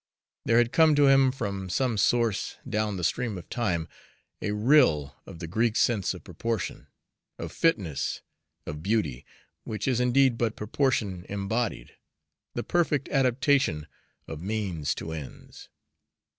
There had come to him from some source, down the stream of time, a rill of the Greek sense of proportion, of fitness, of beauty, which is indeed but proportion embodied, the perfect adaptation of means to ends.